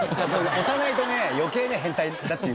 押さないとね余計変態だっていう事になる。